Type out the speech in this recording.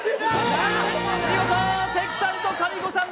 見事関さんとかみこさん